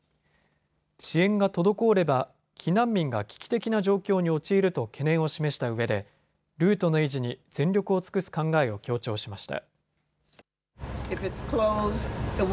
支援が滞れば避難民が危機的な状況に陥ると懸念を示したうえでルートの維持に全力を尽くす考えを強調しました。